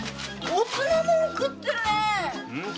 オツなもん食ってるねえ！